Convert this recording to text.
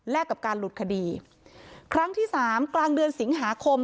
และกับการหลุดคดีครั้งที่สามกลางเดือนสิงหาคม